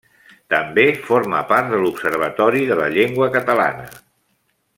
També forma part de l'Observatori de la Llengua Catalana.